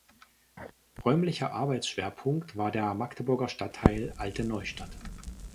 Räumlicher Arbeitsschwerpunkt war der Magdeburger Stadtteil Alte Neustadt.